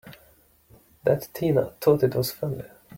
That Tina thought it was funny!